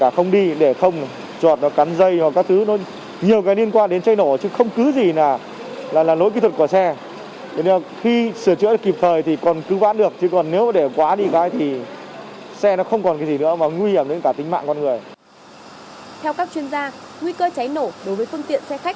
theo các chuyên gia nguy cơ cháy nổ đối với phương tiện xe khách